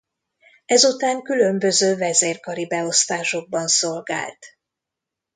Ezután különböző vezérkari beosztásokban szolgált.